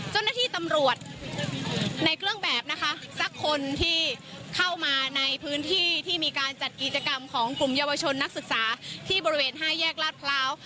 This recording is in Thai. เจ้าหน้าที่ตำรวจในเครื่องแบบนะคะสักคนที่เข้ามาในพื้นที่ที่มีการจัดกิจกรรมของกลุ่มเยาวชนนักศึกษาที่บริเวณห้าแยกลาดพร้าว